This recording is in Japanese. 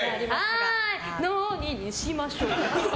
どれにしましょうか。